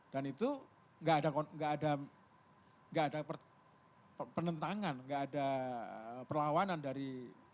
dan itu enggak ada penentangan enggak ada perlawanan dari